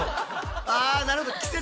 あなるほど。